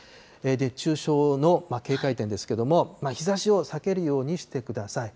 熱中症の警戒点ですけれども、日ざしを避けるようにしてください。